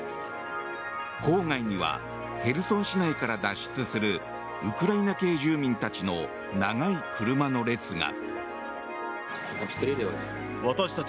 郊外にはヘルソン市内から脱出するウクライナ系住民たちの長い車の列が。